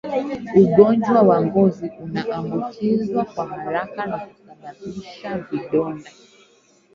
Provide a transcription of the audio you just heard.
Ugonjwa wa ngozi unaambukizwa kwa haraka na kusababisha vidonda